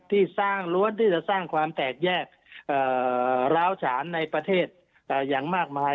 ที่สร้างล้วนที่จะสร้างความแตกแยกร้าวฉานในประเทศอย่างมากมาย